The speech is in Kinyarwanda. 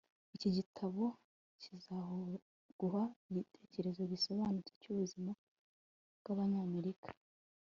iki gitabo kizaguha igitekerezo gisobanutse cyubuzima bwabanyamerika